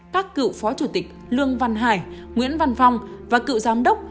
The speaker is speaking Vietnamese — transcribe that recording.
các cựu phó chủ tịch lương văn hải nguyễn văn phong và cựu giám đốc